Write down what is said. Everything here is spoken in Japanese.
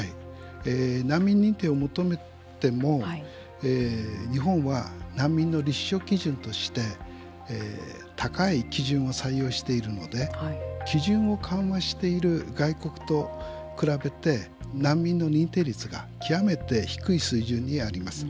難民認定を求めても日本は、難民の立証基準として高い基準を採用しているので基準を緩和している外国人と比べて難民の認定率が極めて低い水準にあります。